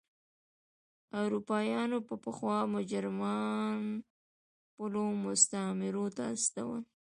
اروپایانو به پخوا مجرمان خپلو مستعمرو ته استول.